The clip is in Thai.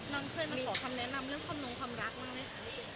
น้องเคยมาขอคำแนะนำเรื่องความลงความรักบ้างไหมคะ